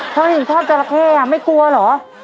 เธอยังชอบจรักแค่อ่ะไม่กลัวเหรอ